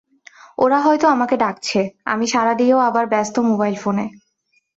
ওরা হয়তো আমাকে ডাকছে, আমি সাড়া দিয়েও আবার ব্যস্ত মোবাইল ফোনে।